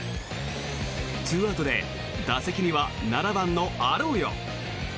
２アウトで打席には７番のアローヨ。